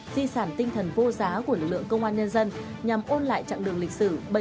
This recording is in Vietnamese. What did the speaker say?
di sản tinh thần vô giá của lực lượng công an nhân dân nhằm ôn lại chặng đường lịch sử